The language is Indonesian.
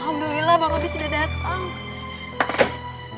alhamdulillah mbak mbak b sudah datang